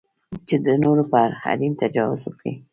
چې د نورو پر حریم تجاوز وکړي.